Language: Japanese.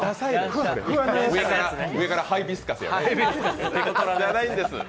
上からハイビスカス。